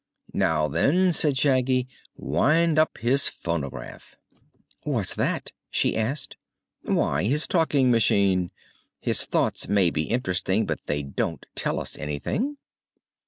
"Now, then," said Shaggy, "wind up his phonograph." "What's that?" she asked. "Why, his talking machine. His thoughts may be interesting, but they don't tell us anything."